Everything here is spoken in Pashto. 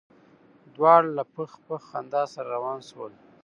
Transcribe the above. دواړه له پخ پخ خندا سره روان شول.